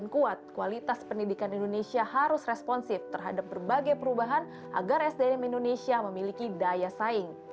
yang kuat kualitas pendidikan indonesia harus responsif terhadap berbagai perubahan agar sdm indonesia memiliki daya saing